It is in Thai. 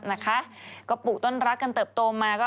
นะคะก็ความรักเติบโตมาพร้อม